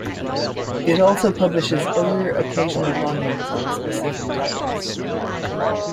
It also publishes other occasional volumes on specific topics.